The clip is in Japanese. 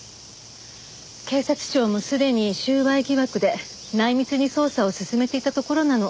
警察庁もすでに収賄疑惑で内密に捜査を進めていたところなの。